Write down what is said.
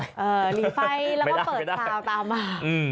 หรือหลีไฟแล้วก็เปิดสาวตามมา